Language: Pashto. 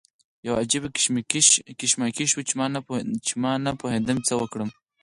یو عجیبه کشمکش و چې ما نه پوهېدم څه وکړم.